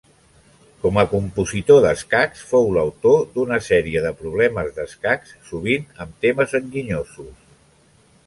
Com a compositor d'escacs, fou l'autor d'una sèrie de problemes d'escacs, sovint amb temes enginyosos.